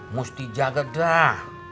mesti jaga dah